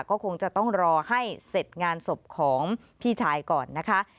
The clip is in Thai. ก็คงจะต้องรอให้เสร็จงานศพของพี่ชายก่อนนะคะ